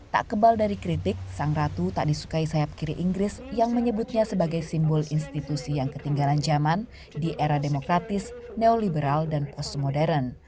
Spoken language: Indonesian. tak kebal dari kritik sang ratu tak disukai sayap kiri inggris yang menyebutnya sebagai simbol institusi yang ketinggalan zaman di era demokratis neoliberal dan pos modern